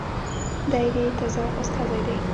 دی د تزار استازی دی.